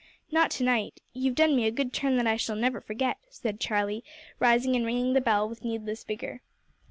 "Not to night. You've done me a good turn that I shall never forget" said Charlie, rising and ringing the bell with needless vigour.